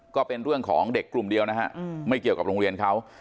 ก็เป็นเรื่องของเด็กกลุ่มเดียวนะฮะไม่เกี่ยวกับโรงเรียนเขา